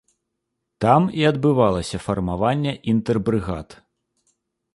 Там і адбывалася фармаванне інтэрбрыгад.